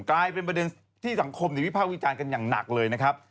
กลายเป็นประเด็นที่สังคมวิภาควิจารณ์กันอย่างหนักเลยนะครับ